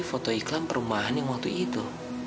foto iklan perumahan yang waktu itu